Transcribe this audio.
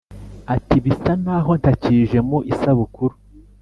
ati"bisanaho ntakije mu isabukuru"